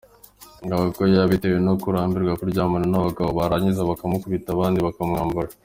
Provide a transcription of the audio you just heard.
Avuga ko yabitewe no kurambirwa kuryamana n’abagabo, barangiza bakamukubita, abandi bakamwambura.